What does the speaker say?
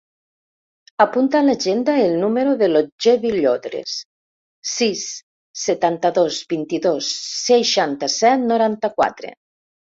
Apunta a l'agenda el número de l'Otger Villodres: sis, setanta-dos, vint-i-dos, seixanta-set, noranta-quatre.